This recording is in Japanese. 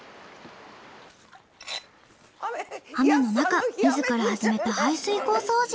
雨の中自ら始めた排水溝掃除。